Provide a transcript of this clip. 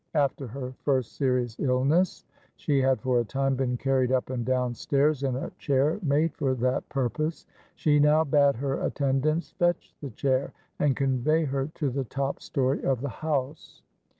After her first serious illness, she had for a time been carried up and down stairs in a chair made for that purpose; she now bade her attendants fetch the chair, and convey her to the top story of the house.